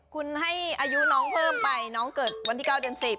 คุณให้อายุน้องเพิ่มไปน้องเกิดวันที่๙เดือน๑๐